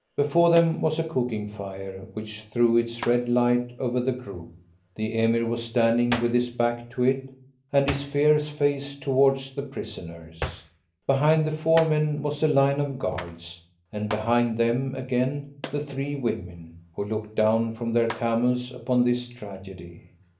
Before them was a cooking fire, which threw its red light over the group. The Emir was standing with his back to it, and his fierce face towards the prisoners. Behind the four men was a line of guards, and behind them again the three women, who looked down from their camels upon this tragedy.